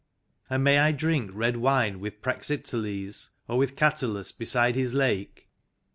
..."" And may I drink red wine with Praxiteles, or with Catullus beside his lake?"